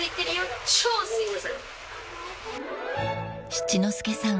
［七之助さん